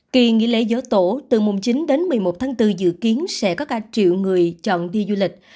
kỳ nghỉ lễ dỗ tổ từ mùng chín đến một mươi một tháng bốn dự kiến sẽ có cả triệu người chọn đi du lịch